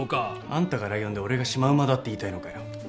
あんたがライオンで俺がシマウマだって言いたいのかよ？